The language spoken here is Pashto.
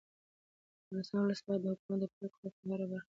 د افغانستان ولس باید د حکومت د پرېکړو په هره برخه کې ګډون ولري